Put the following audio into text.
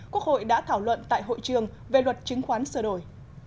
quốc hội đã thảo luận tại hội trường về luật chứng khoán sửa đổi